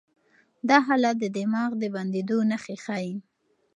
دا حالت د دماغ د بندېدو نښې ښيي.